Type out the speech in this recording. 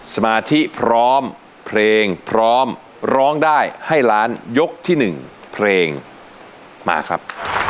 สมาธิพร้อมเพลงพร้อมร้องได้ให้ล้านยกที่๑เพลงมาครับ